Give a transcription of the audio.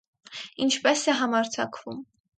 Ինչպե՜ս է համարձակվում…